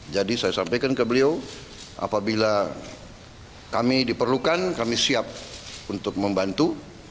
jadi saya sampaikan ke beliau apabila kami diperlukan kami siap untuk membantu